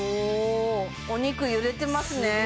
おおお肉揺れてますね